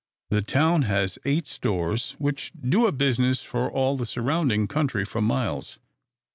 The town has eight stores, which do a business for all the surrounding country for miles.